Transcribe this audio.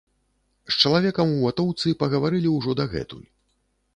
З чалавекам у ватоўцы пагаварылі ўжо дагэтуль.